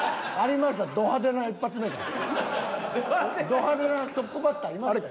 ド派手なトップバッターいましたよ。